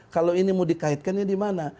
kalau ini mau dikaitkannya dimana